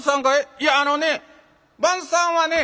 「いやあのね番さんはね